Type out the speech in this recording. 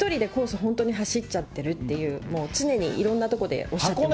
本当に走っちゃってるっていう、もう常にいろんなところでおっしゃってますね。